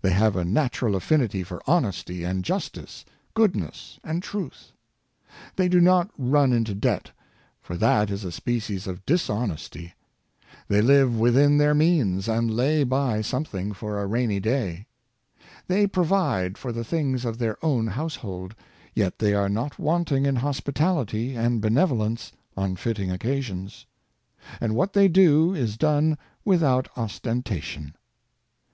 They have a natu ral affinity for honesty and justice, goodness and truth. They do not run into debt, for that is a species of dis Beneficence of House thrift, 19 honesty. They live within their means, and lay by something for a rainy day. They provide for the things of their own household, yet they are not want ing in hospitality and benevolence on fitting occasions. And what they do is done without ostentation.